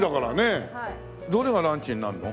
どれがランチになるの？